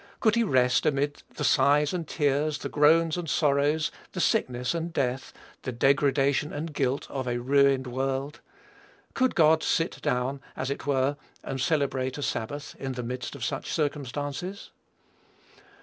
Could he rest amid the sighs and tears, the groans and sorrows, the sickness and death, the degradation and guilt of a ruined world? Could God sit down, as it were, and celebrate a sabbath in the midst of such circumstances?